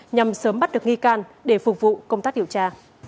nhằm sớm bắt được nghi can để phục vụ công tác điều tra